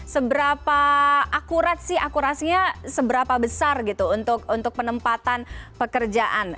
seberapa akurat sih akurasinya seberapa besar gitu untuk penempatan pekerjaan